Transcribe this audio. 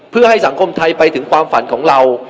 เพื่อให้สังคมไทยไปถึงความฝันของเรา